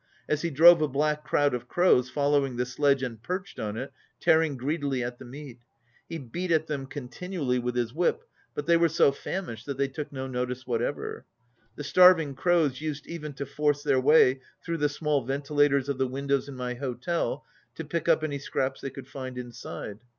As he drove a black crowd of crows followed the sledge and perched on it, tearing greedily at the meat. He beat at them contin ually with his whip, but they were so famished that they took no notice whatever. The starving crows used even to force their way through the small ventilators of the windows in my hotel to pick up any scraps they could find inside.